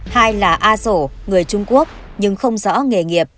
hai là a sổ người trung quốc nhưng không rõ nghề nghiệp